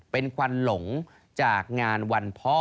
เป็นควันหลงจากงานวันพ่อ